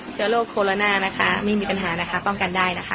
เชื้อโรคโคโรนานะคะไม่มีปัญหานะคะป้องกันได้นะคะ